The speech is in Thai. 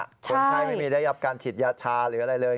คนไข้ไม่มีได้รับการฉีดยาชาหรืออะไรเลย